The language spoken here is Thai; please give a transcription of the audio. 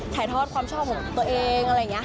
ถ่ายทอดความชอบของตัวเองอะไรอย่างนี้